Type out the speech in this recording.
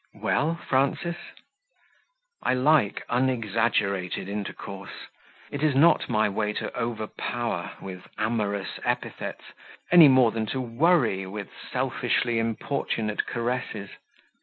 "Well, Frances?" I like unexaggerated intercourse; it is not my way to overpower with amorous epithets, any more than to worry with selfishly importunate caresses.